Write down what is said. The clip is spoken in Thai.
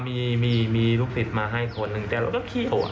มีมีลูกศิษย์มาให้คนหนึ่งแต่เราก็ขี่